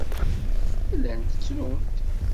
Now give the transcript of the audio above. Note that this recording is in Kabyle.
Llant ttrunt.